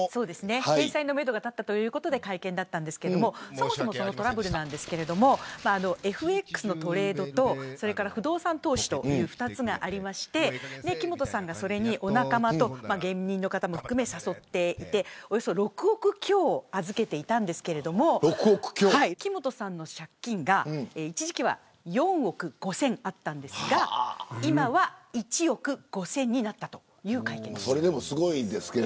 返済のめどが立ったということで会見だったんですがそもそも、そのトラブルですがＦＸのトレードと不動産投資という２つがあって木本さんがそれに、お仲間と芸人の方を含めて誘っていて６億強を預けていたんですが木本さんの借金が一時期は４億５０００あったんですが今は１億５０００になったという会見でした。